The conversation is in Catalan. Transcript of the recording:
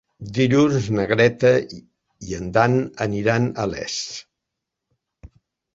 Dilluns na Greta i en Dan iran a Les.